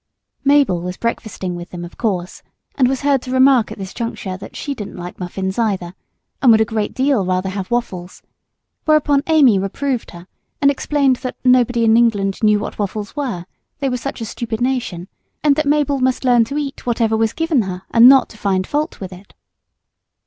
Mabel was breakfasting with them, of course, and was heard to remark at this juncture that she didn't like muffins, either, and would a great deal rather have waffles; whereupon Amy reproved her, and explained that nobody in England knew what waffles were, they were such a stupid nation, and that Mabel must learn to eat whatever was given her and not find fault with it!